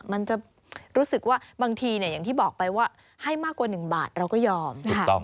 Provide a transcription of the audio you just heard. มันจะรู้สึกว่าบางทีอย่างที่บอกไปว่าให้มากกว่า๑บาทเราก็ยอม